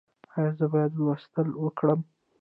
ایا زه باید لوستل وکړم؟